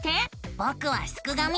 ぼくはすくがミ。